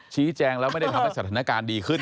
ชี้แจงแล้วไม่ได้ทำให้สถานการณ์ดีขึ้น